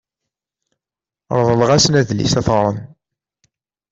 Reḍleɣ-asen adlis ad t-ɣren.